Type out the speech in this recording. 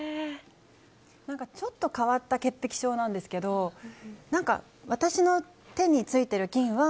ちょっと変わった潔癖症なんですけど私の手についている菌は